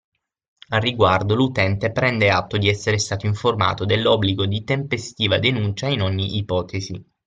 Al riguardo l’utente prende atto di essere stato informato dell’obbligo di tempestiva denuncia in ogni ipotesi